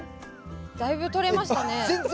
だいぶとれましたね。